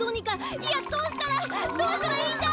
いやどうしたらどうしたらいいんだ！？